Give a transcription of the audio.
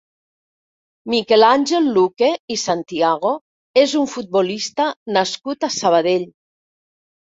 Miquel Àngel Luque i Santiago és un futbolista nascut a Sabadell.